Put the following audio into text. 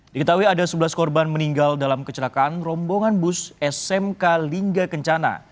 diketahui ada sebelas korban meninggal dalam kecelakaan rombongan bus smk lingga kencana